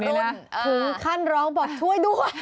รุ่นถึงขั้นร้องบอกช่วยด้วย